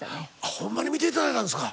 ホンマに見て頂いたんですか？